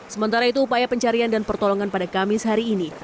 sementara itu upaya pencarian dan pertolongan pada kamis hari ini